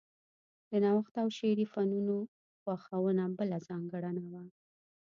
د نوښت او شعري فنونو خوښونه بله ځانګړنه وه